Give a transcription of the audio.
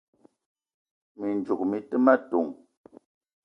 Mi ndzouk mi te ma ton: